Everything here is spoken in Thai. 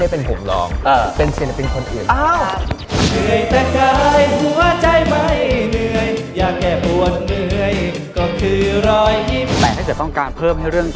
เป็นเสนอบบิลคนอื่น